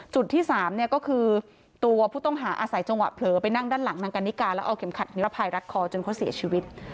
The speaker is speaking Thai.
ที่๓เนี่ยก็คือตัวผู้ต้องหาอาศัยจังหวะเผลอไปนั่งด้านหลังนางกันนิกาแล้วเอาเข็มขัดนิรภัยรัดคอจนเขาเสียชีวิต